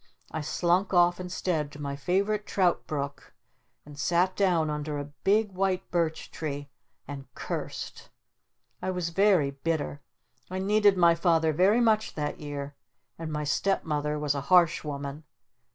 I slunk off instead to my favorite trout brook and sat down under a big white birch tree and cursed! I was very bitter. I needed my Father very much that year. And my step mother was a harsh woman.